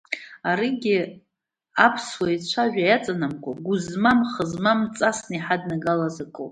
Аригьы аԥсуа ицәаҩа иаҵанамкуа, гәы змам, хы змам ҵасны иҳаднагалаз акоуп.